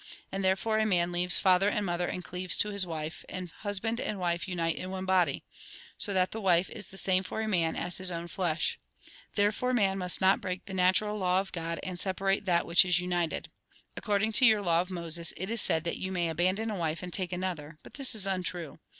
And therefore a man leaves father and mother and cleaves to his wife. And husband and wife unite in one body So that the wife is the same for a man as his own flesh. Therefore man must not break the natural law of God, and separate that which is united. According to your law of Moses, it is said that you may abandon a wife and take another ; but this is untrue.